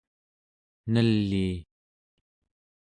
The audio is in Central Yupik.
nelii